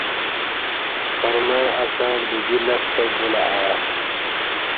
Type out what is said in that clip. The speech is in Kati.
پرمع اسݩ بدی لستہ بولہ ای